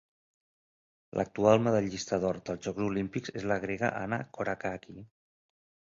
L'actual medallista d'or dels Jocs Olímpics és la grega Anna Korakaki.